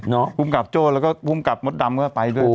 เนอะคุ้มกับโจ้แล้วก็คุ้มกับมดดำก็ไปด้วย